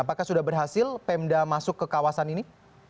apakah sudah berhasil pemda masuk ke kawasan ini